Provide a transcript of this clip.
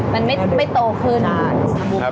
มันไม่โตขึ้นอะ